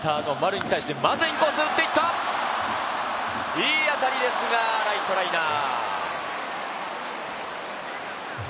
いい当たりでしたが、ライトライナー。